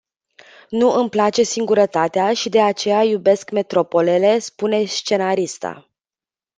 Nu îmi place singurătatea și de aceea iubesc metropolele spune scenarista.